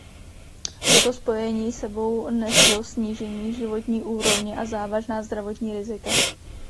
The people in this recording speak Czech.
Toto spojení s sebou neslo snížení životní úrovně a závažná zdravotní rizika.